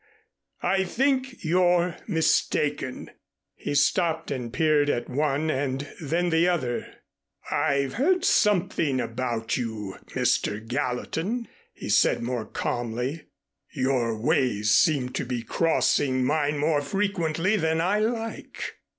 _ I think you're mistaken." He stopped and peered at one and then the other. "I've heard something about you, Mr. Gallatin," he said more calmly. "Your ways seem to be crossing mine more frequently than I like."